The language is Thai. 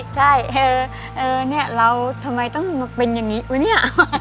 จ้ายเนี่ยเออนี่